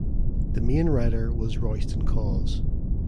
The main writer was Royston Caws.